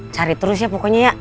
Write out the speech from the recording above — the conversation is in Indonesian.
cari terus ya pokoknya ya